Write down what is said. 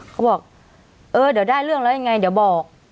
เขาบอกเออเดี๋ยวได้เรื่องแล้วยังไงเดี๋ยวบอก